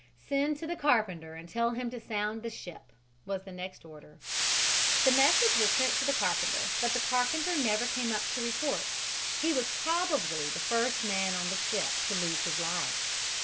"Send to the carpenter and tell him to sound the ship," was the next order. The message was sent to the carpenter, but the carpenter never came up to report. He was probably the first man on the ship to lose his life.